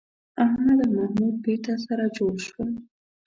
احمد او محمود بېرته سره جوړ شول